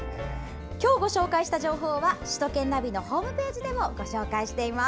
今日ご紹介した情報は首都圏ナビのホームページでもご紹介しています。